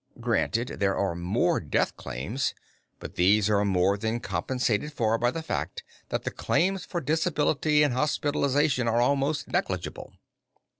Granted, there are more death claims, but these are more than compensated for by the fact that the claims for disability and hospitalization are almost negligible."